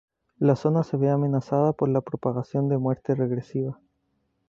La zona se ve amenazada por la propagación de muerte regresiva.